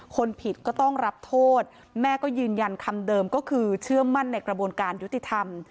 คนผิดก็ต้องรับโทษแม่ก็ยืนยันคำเดิมก็คือเชื่อมั่นในกระบวนการยุติธรรม